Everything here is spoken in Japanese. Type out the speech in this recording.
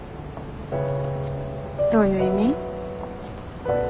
どういう意味？